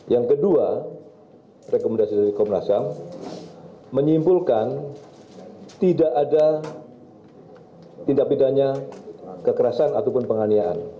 yang kedua rekomendasi dari komnas ham menyimpulkan tidak ada tindak bidana kekerasan ataupun penganiaan